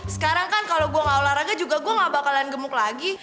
sekarang kan kalau gue gak olahraga juga gue gak bakalan gemuk lagi